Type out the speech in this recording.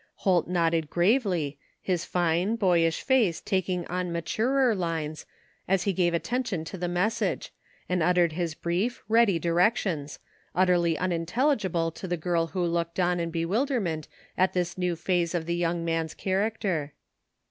Holt nodded gravely, his fine, boyish face taking on maturer lines as he gave attention to the message, and uttered his brief, ready directions, utterly imintelligible to the girl who looked on in bewilderment at this new phase of the young man's character.